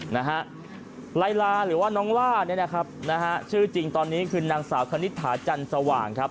นะฮะไลลาหรือว่าน้องล่าเนี่ยนะครับนะฮะชื่อจริงตอนนี้คือนางสาวคณิตถาจันสว่างครับ